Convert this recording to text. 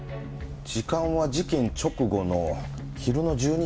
時間は事件直後の昼の１２時４５分。